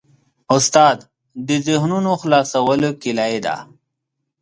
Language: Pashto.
استاد د ذهنونو خلاصولو کلۍ ده.